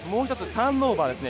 ターンオーバーですね。